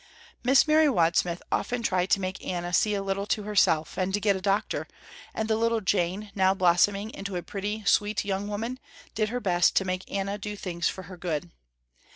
Miss Mary Wadsmith often tried to make Anna see a little to herself, and get a doctor, and the little Jane, now blossoming into a pretty, sweet young woman, did her best to make Anna do things for her good.